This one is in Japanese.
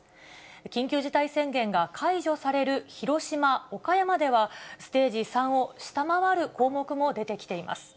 緊急事態宣言が解除される広島、岡山では、ステージ３を下回る項目も出てきています。